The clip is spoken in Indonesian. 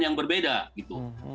yang berbeda gitu